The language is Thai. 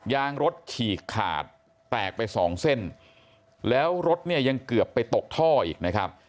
ยางรถฉีกขาดแตกไปสองเส้นแล้วรถเนี่ยยังเกือบไปตกท่ออีกนะครับ